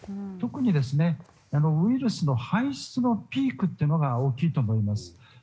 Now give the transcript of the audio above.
特にウイルスの排出のピークが大きいと思います。